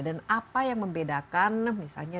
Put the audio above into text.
dan apa yang membedakan misalnya